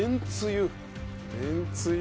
めんつゆ。